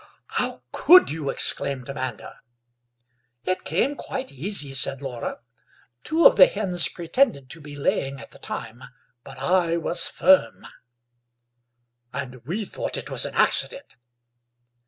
"How could you?" exclaimed Amanda. "It came quite easy," said Laura; "two of the hens pretended to be laying at the time, but I was firm." "And we thought it was an accident!"